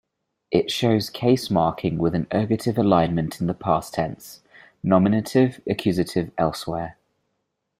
It shows case marking with an ergative alignment in the past tense, nominative-accusative elsewhere.